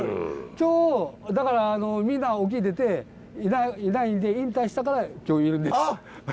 今日だからみんな沖出ていないんで引退したから今日いるんです。